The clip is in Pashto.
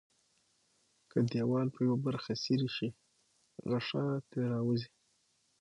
که دیوال په یوه برخه کې څیري شي غشا ترې راوځي.